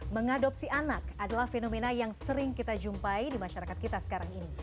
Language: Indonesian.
mengadopsi anak adalah fenomena yang sering kita jumpai di masyarakat kita sekarang ini